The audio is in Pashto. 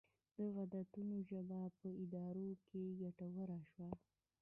د عددونو ژبه په ادارو کې ګټوره شوه.